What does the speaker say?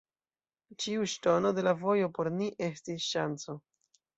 Ĉiu ŝtono de la vojo por ni estis ŝanco.